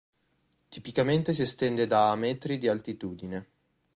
Tipicamente si estende da a metri di altitudine.